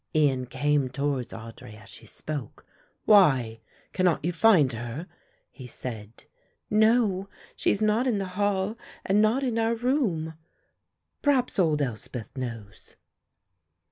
Ian came towards Audry as she spoke. "Why? cannot you find her?" he said. "No, she is not in the hall and not in our room." "Perhaps old Elspeth knows."